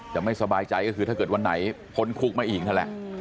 ไม่สบายใจก็คือถ้าเกิดวันไหนพ้นคุกมาอีกนั่นแหละ